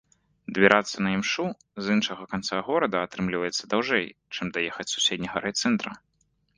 Дабірацца на імшу з іншага канца горада атрымліваецца даўжэй, чым даехаць з суседняга райцэнтра.